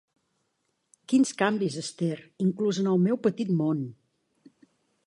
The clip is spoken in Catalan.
Quins canvis, Esther, inclús en el meu petit món!